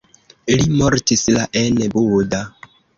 Li mortis la en Buda.